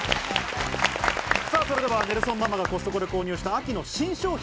ネルソンママがコストコで購入した秋の新商品。